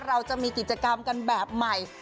เราจะมีกิจกรรมกันแบบใหม่